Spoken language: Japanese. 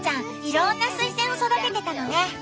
いろんなスイセンを育ててたのね！